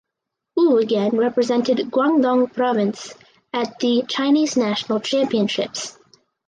Ou again represented Guangdong province at the Chinese National Championships.